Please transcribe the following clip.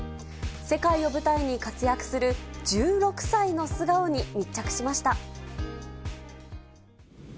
世界を舞台に活躍する１６歳の素顔に密着しました。